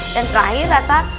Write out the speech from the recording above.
dan terakhir rasa